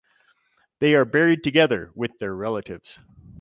They are buried together with their relatives.